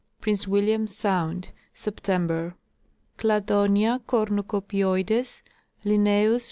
Prince William sound, Sep tember. Cladonia cornucopioides, (L.)